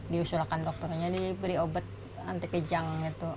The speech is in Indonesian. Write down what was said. diusulkan dokternya diberi obat anti kejang gitu